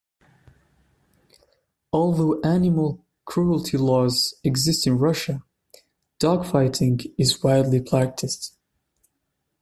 Although animal cruelty laws exist in Russia, dog fighting is widely practiced.